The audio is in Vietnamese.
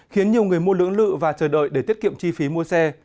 khiến nhiều người mua lưỡng lự và chờ đợi để tiết kiệm chi phí mua xe